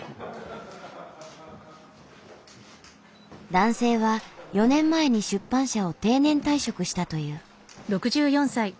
男性は４年前に出版社を定年退職したという。